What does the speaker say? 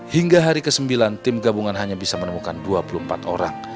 hingga hari ke sembilan tim gabungan hanya bisa menemukan dua puluh empat orang